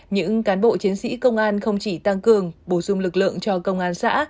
những cán bộ chiến sĩ công an không chỉ tăng cường bổ sung lực lượng cho công an xã